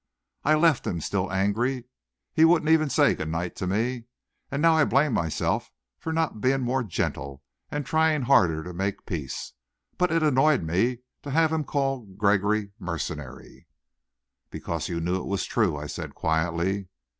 I left him still angry he wouldn't even say good night to me and now I blame myself for not being more gentle, and trying harder to make peace. But it annoyed me to have him call Gregory mercenary " "Because you knew it was true," I said quietly.